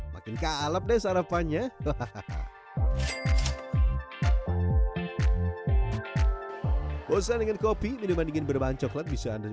makin ke alap deh sarapannya hahaha bosan dengan kopi minuman dingin berbahan coklat bisa anda